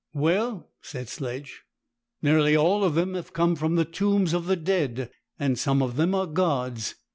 "Well," said Sledge, "nearly all of them have come from the tombs of the dead, and some of them are gods.